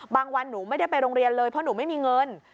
วันหนูไม่ได้ไปโรงเรียนเลยเพราะหนูไม่มีเงิน